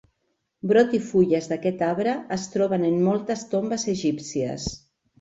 Brot i fulles d'aquest arbre es troben en moltes tombes egípcies.